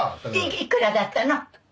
いくらだったの？